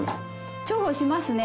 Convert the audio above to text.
重宝しますね。